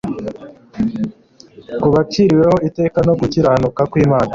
ku baciriweho iteka no gukiranuka kw'Imana